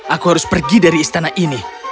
aku harus pergi dari istana ini